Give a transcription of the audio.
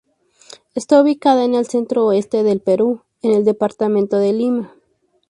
Está ubicada en el centro-oeste del Perú, en el Departamento de Lima.